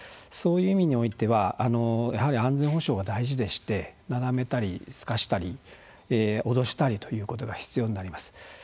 そういう意味においてはやはり安全保障が大事でしてなだめたりすかしたり脅したりということが必要になります。